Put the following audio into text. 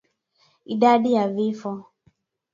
Idadi ya Vifo